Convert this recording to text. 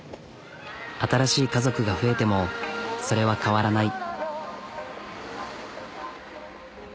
新しい家族が増えてもそれは変わらない。